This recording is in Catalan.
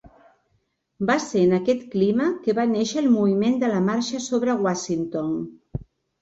Va ser en aquest clima que va néixer el Moviment de la Marxa sobre Washington.